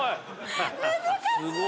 ・難しい！